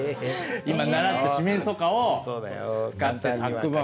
今習った「四面楚歌」を使って作文。